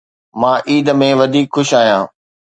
مان عيد ۾ وڌيڪ خوش آهيان.